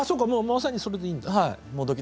まさにそれでいいんだ。